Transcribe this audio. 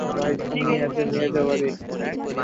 ভাই, তুমি ওদের নিয়ে বাড়ি যাও।